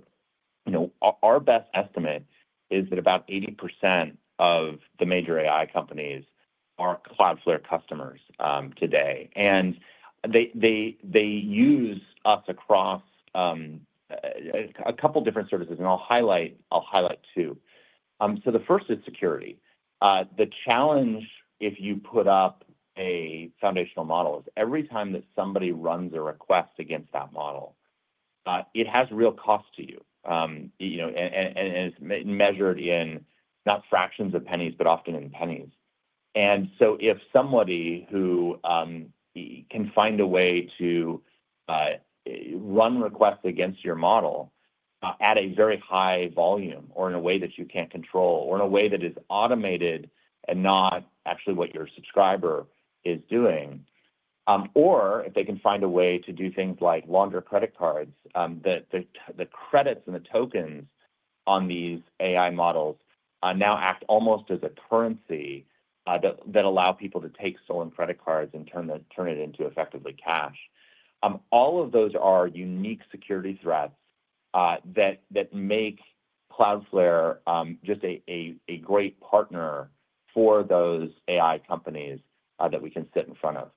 our best estimate is that about 80% of the major AI companies are Cloudflare customers today. They use us across a couple different services, and I'll highlight two. The first is security. The challenge if you put up a foundational model is every time that somebody runs a request against that model, it has real cost to you and it's measured in not fractions of pennies, but often in pennies. If somebody can find a way to run requests against your model at a very high volume or in a way that you can't control, or in a way that is automated and not actually what your subscriber is doing, or if they can find a way to do things like launder credit cards, the credits and the tokens on these AI models now act almost as a currency that allow people to take stolen credit cards and turn it into effectively cash. All of those are unique security threats that make Cloudflare just a great partner for those AI companies that we can sit in front of.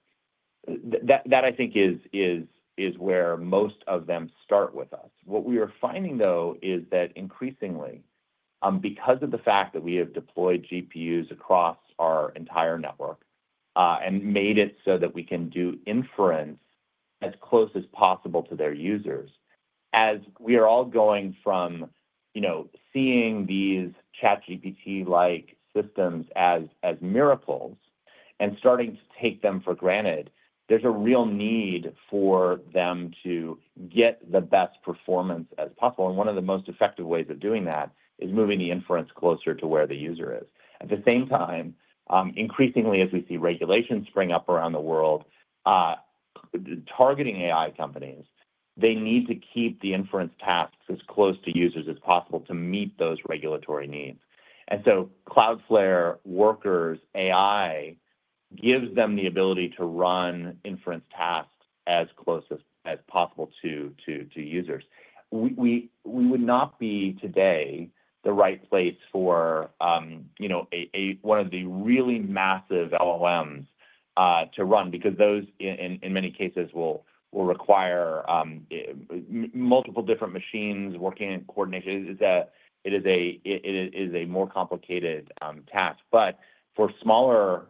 That, I think, is where most of them start with us. What we are finding though is that increasingly, because of the fact that we have deployed GPUs across our entire network and made it so that we can do inference as close as possible to their users, as we are all going from seeing these ChatGPT-like systems as miracles and starting to take them for granted, there's a real need for them to get the best performance as possible. One of the most effective ways of doing that is moving the inference closer to where the user is. At the same time, increasingly, as we see regulations spring up around the world targeting AI companies, they need to keep the inference tasks as close to users as possible to meet those regulatory needs. Cloudflare Workers AI gives them the ability to run inference tasks as close as possible to users. We would not be today the right place for one of the really massive LLMs to run, because those in many cases will require multiple different machines working in coordination. It is a more complicated task. For smaller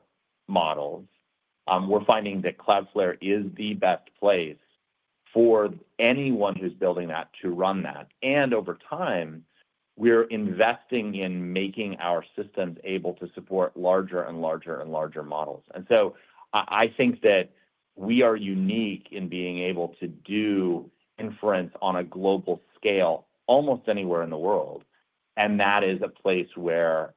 models, we're finding that Cloudflare is the best place for anyone who's building that to run that. Over time, we're investing in making our systems able to support larger and larger and larger models. I think that we are unique in being able to do inference on a global scale almost anywhere in the world. That is a place where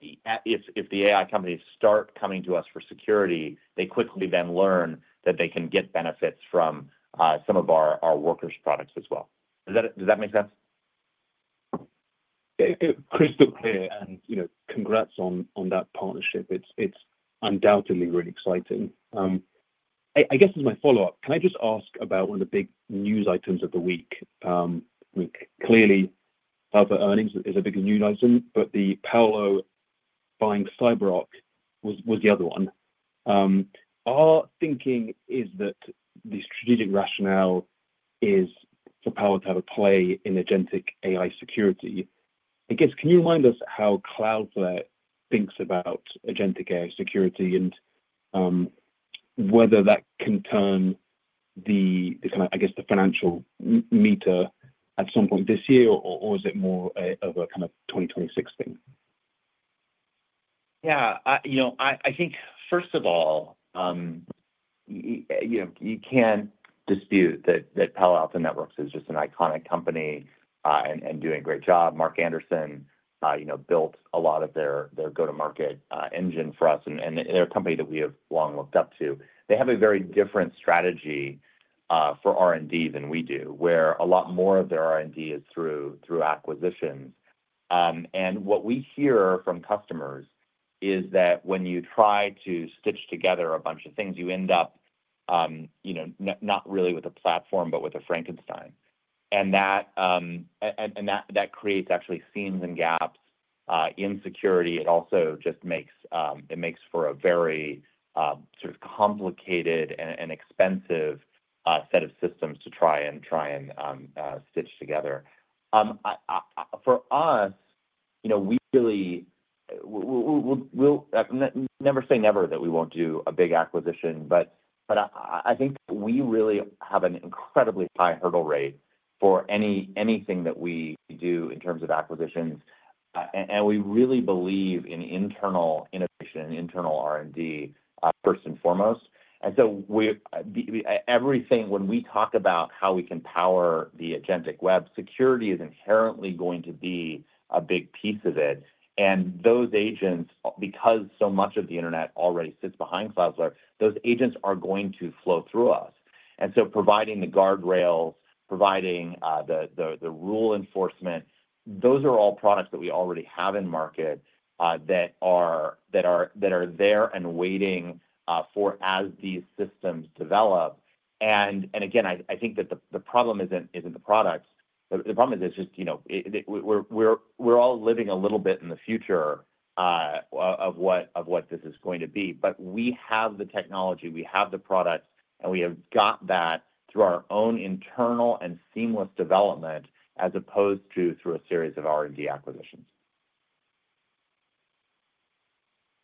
if the AI companies start coming to us for security, they quickly then learn that they can get benefits from some of. Our Workers products as well. Does that make sense? Crystal clear. Congrats on that partnership. It's undoubtedly really exciting. I guess as my follow-up, can I just ask about one of the big news items of the week? Clearly, Cloudflare earnings is a big news item, but the Palo Alto buying CyberArk was the other one. Our thinking is that the strategic rationale is for Palo Alto to have a play in agentic AI security, I guess. Can you remind us how Cloudflare is? Thinks about agentic AI security and whether that can turn the kind of, I guess the financial meter at some point this year? Or is it more of a kind of 2026 thing? Yeah, I think first of all, you can't dispute that Palo Alto Networks is just an iconic company and doing a great job. Mark Anderson built a lot of their go-to-market engine for us and they're a company that we have long looked up to. They have a very different strategy for R&D than we do, where a lot more of their R&D is through acquisitions. What we hear from customers is that when you try to stitch together a bunch of things, you end up not really with a platform, but with a Frankenstein. That creates actually seams and gaps in security. It also just makes for a very sort of complicated and expensive set of systems to try and stitch together for us. We really never say never that we won't do a big acquisition, but I think we really have an incredibly high hurdle rate for anything that we do in terms of acquisitions. We really believe in internal innovation and internal R&D first and foremost. Everything, when we talk about how we can power the agentic web, security is inherently going to be a big piece of it. Those agents, because so much of the Internet already sits behind Cloudflare, are going to flow through us. Providing the guardrails, providing the rule enforcement, those are all products that we already have in market that are there and waiting for as these systems develop. I think that the problem isn't the products. The problem is we're all living a little bit in the future of what this is going to be. We have the technology, we have the products, and we have got that through our own internal and seamless development as opposed to through a series of R&D acquisitions.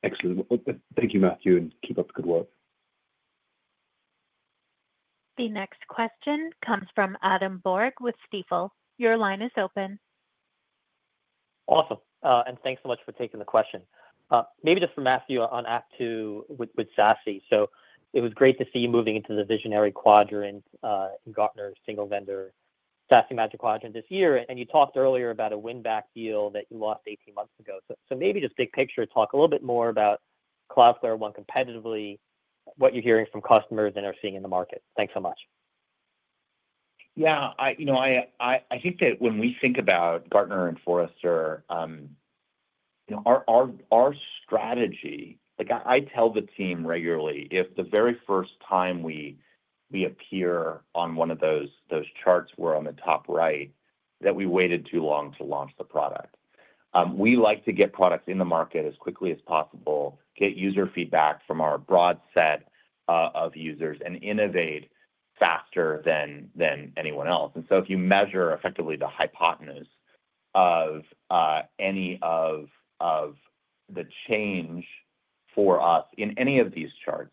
Excellent. Thank you Matthew and keep up the good work. The next question comes from Adam Borg with Stifel. Your line is open. Awesome. Thanks so much for taking the question. Maybe just for Matthew on Act 2 with SASE. It was great to see you moving into the Visionary quadrant in Gartner Single Vendor SASE Magic Quadrant this year. You talked earlier about a win-back deal that you lost 18 months ago. Maybe just big picture, talk a little bit more about Cloudflare One competitively, what you're hearing from customers and are seeing in the market. Thanks so much. Yeah, I think that when we think about Gartner and Forrester, our strategy, I tell the team regularly if the very first time we appear on one of those charts we're on the top right, that we waited too long to launch the product. We like to get products in the market as quickly as possible, get user feedback from our broad set of users, and innovate faster than anyone else. If you measure effectively the hypotenuse of any of the change for us in any of these charts,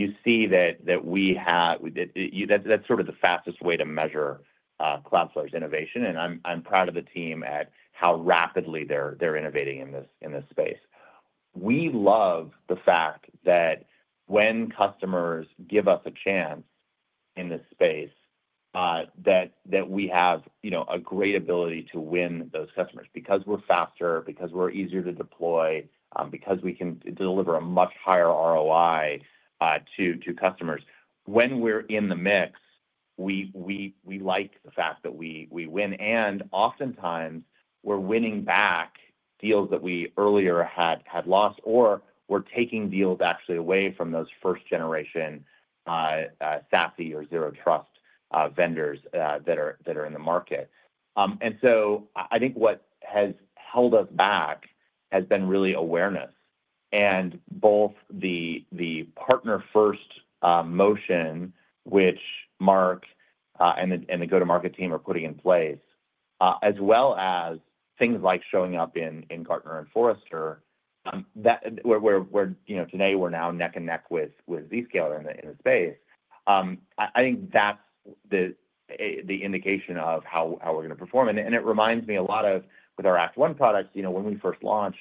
you see that we have. That's the fastest way to measure Cloudflare's innovation. I'm proud of the team at how rapidly they're innovating in this space. We love the fact that when customers give us a chance in this space, we have a great ability to win those customers because we're faster, because we're easier to deploy, because we can deliver a much higher ROI to customers when we're in the mix. We like the fact that we win and oftentimes we're winning back deals that we earlier had lost or we're taking deals away from those first generation SASE or Zero Trust vendors that are in the market. I think what has held us back has been really awareness and both the partner-first motion, which Marks and the Go-to-Market team are putting in place, as well as things like showing up in Gartner and Forrester today. We're now neck and neck with Zscaler in the space. I think that's the indication of how we're going to perform. It reminds me a lot of with our Act 1 products when we first launched,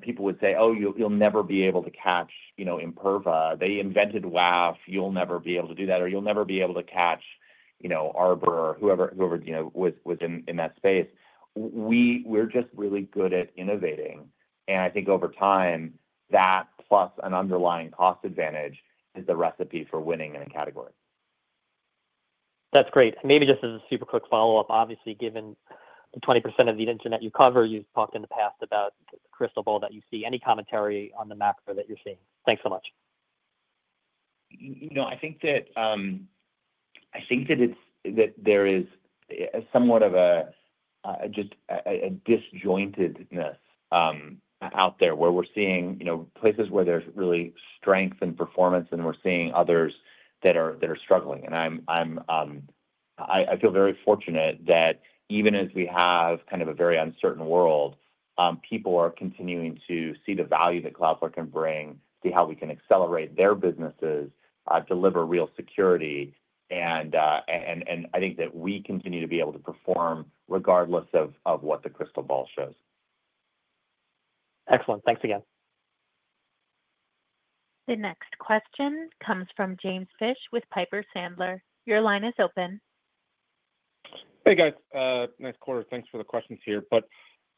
people would say, oh, you'll never be able to catch Imperva. They invented WAF. You'll never be able to do that or you'll never be able to catch, you know, Arbor or whoever was in that space. We're just really good at innovating. I think over time that plus an underlying cost advantage is the recipe for winning in a category. That's great. Maybe just as a super quick follow up. Obviously, given the 20% of the Internet you cover, you've talked in the past about crystal ball that you see any commentary on the map or that you're seeing. Thanks so much. I think that there is somewhat of a disjointedness out there where we're seeing places where there's really strength and performance, and we're seeing others that are struggling. I feel very fortunate that even as we have kind of a very uncertain world, people are continuing to see the value that Cloudflare can bring, see how we can accelerate their businesses, deliver real security. I think that we continue to be able to perform regardless of what the crystal ball shows. Excellent. Thanks again. The next question comes from James Fish with Piper Sandler. Your line is open. Hey guys, nice quarter. Thanks for the questions here.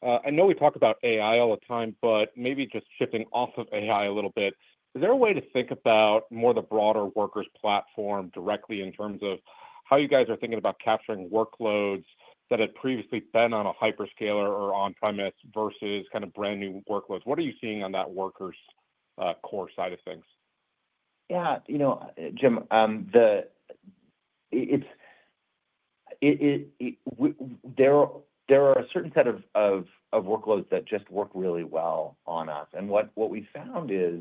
I know we talk about AI all the time, but maybe just shifting off of AI a little bit. Is there a way to think about more the broader Workers platform directly in terms of how you guys are thinking about capturing workloads that had previously been on a hyperscaler or on premise versus kind of brand new workloads, what are you seeing on that Workers Core side of things? Yeah, you know Jim, there are a certain set of workloads that just work really well on us. What we found is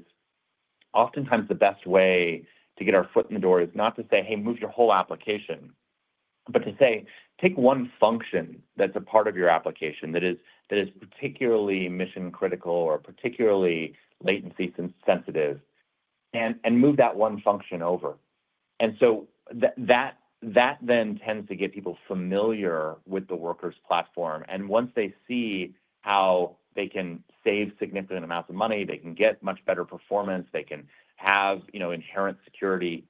oftentimes the best way to get our foot in the door is not to say, hey, move your whole application, but to say take one function that's a part of your application that is particularly mission critical or particularly latency sensitive and move that one function over. That then tends to get people familiar with the Workers platform, and once they see how they can save significant amounts of money, they can get much better performance. They can have inherent security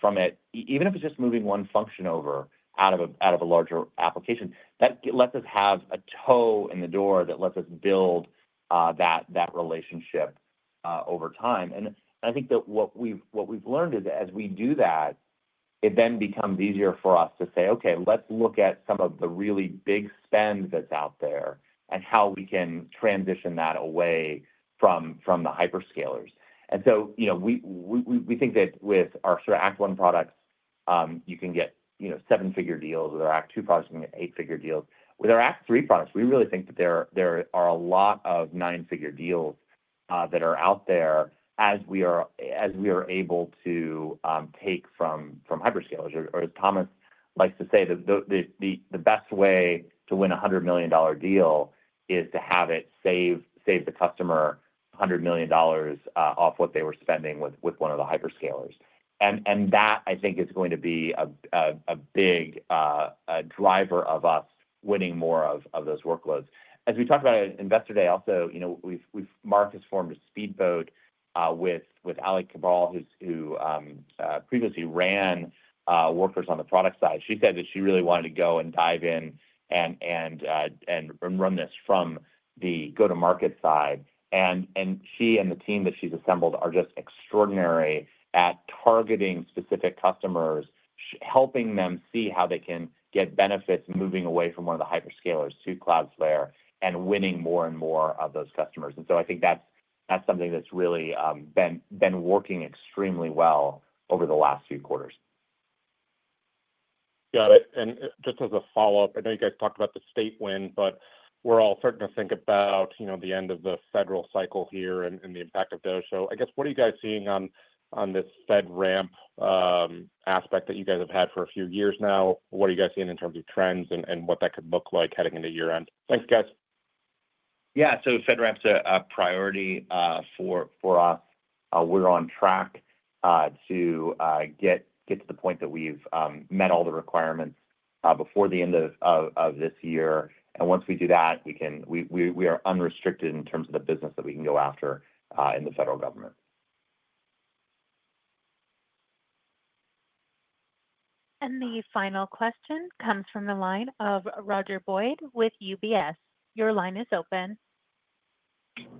from it. Even if it's just moving one function over out of a larger application, that lets us have a toe in the door. That lets us build that relationship over time. I think that what we've learned is as we do that, it then becomes easier for us to say, okay, let's look at some of the really big spend that's out there and how we can transition that away from the hyperscalers. We think that with our Act 1 products you can get seven-figure deals. With our Act 2 products you can get eight-figure deals. With our Act 3 products we really think that there are a lot of nine-figure deals that are out there as we are able to take from hyperscalers, or as Thomas likes to say, the best way to win a $100 million deal is to have it save the customer $100 million off what they were spending with one of the hyperscalers. That I think is going to be a big driver of us winning more of those workloads. As we talked about at Investor Day, also, Mark has formed a speedboat with Ali Cabral, who previously ran Workers on the product side. She said that she really wanted to go and dive in and run this from the go-to-market side. She and the team that she's assembled are just extraordinary at targeting specific customers, helping them see how they can get benefits moving away from one of the hyperscalers to Cloudflare and winning more and more of those customers. I think that's something that's really been working extremely well over the last few quarters. Got it. Just as a follow up, I know you guys talked about the state win, we're all starting to think about the end of the federal cycle. Here and the impact of Doge. What are you guys seeing on this FedRAMP aspect that you guys have had for a few years now? What are you guys seeing in terms. Of trends and what that could look like. Like heading into year end? Thanks guys. FedRAMP's a priority for us. We're on track to get to the point that we've met all the requirements before the end of this year, and once we do that, we are unrestricted in terms of the business that we can go after in the federal government. The final question comes from the line of Roger Boyd with UBS. Your line is open.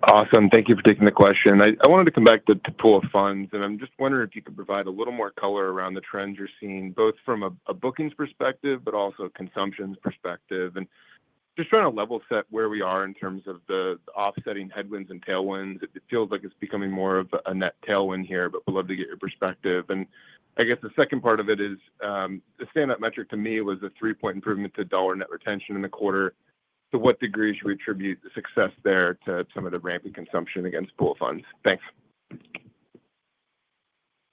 Awesome. Thank you for taking the question. I wanted to come back to pool of funds and I'm just wondering if. You could provide a little more color around the trends you're seeing both from a bookings perspective, but also consumptions perspective, and just trying to level set where. We are in terms of the offsetting headwinds and tailwinds It feels like it's becoming more of. A net tailwind here, but we'd love. To get your perspective. I guess the second part of it is the standout metric to me was a 3% improvement to dollar-based net retention rate in the quarter. To what degree do we attribute the success there to some. Of the rampant consumption against pool of funds deals. Thanks.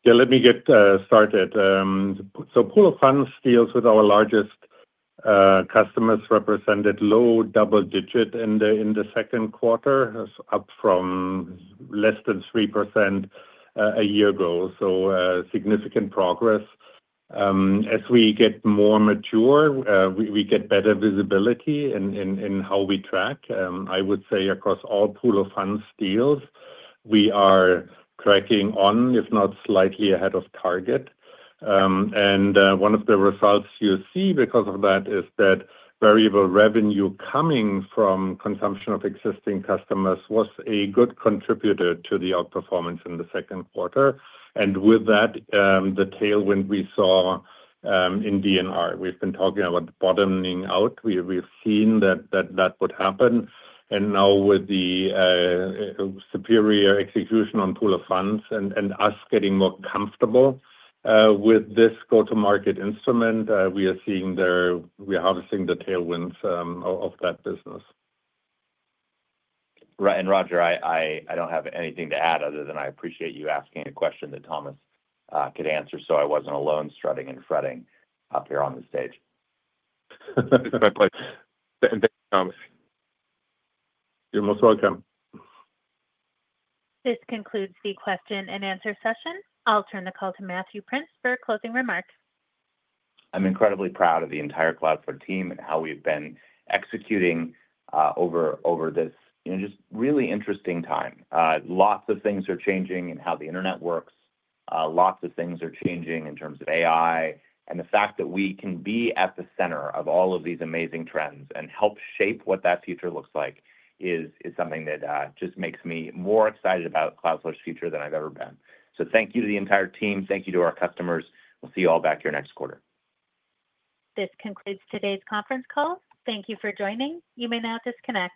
Yeah, let me get started. Pool of funds deals with our largest customers represented low double digit % in the second quarter, up from less than 3% a year ago. Significant progress. As we get more mature, we get better visibility in how we track. Would say across all pool of funds deals we are cracking on, if not slightly ahead of target. One of the results you see because of that is that variable revenue coming from consumption of existing customers was a good contributor to the outperformance in the second quarter. With that, the tailwind we saw in dollar-based net retention rate, we've been talking about bottoming out. We've seen that that would happen. Now a superior execution on pool of funds and us getting more comfortable with this go-to-market instrument we are seeing there. We are harvesting the tailwinds of that business. Roger, I don't have anything to add other than I appreciate you asking a question that Thomas could answer. I wasn't alone strutting and fretting up here on the stage. Thank you, Thomas. You're most welcome. This concludes the question and answer session. I'll turn the call to Matthew Prince for closing remarks. I'm incredibly proud of the entire Cloudflare team and how we've been executing over this really interesting time. Lots of things are changing in how the Internet works. Lots of things are changing in terms of AI, and the fact that we can be at the center of all of these amazing trends and help shape what that future looks like is something that just makes me more excited about Cloudflare's future than I've ever been. Thank you to the entire team, thank you to our customers. We'll see you all back here next quarter. This concludes today's conference call. Thank you for joining. You may now disconnect.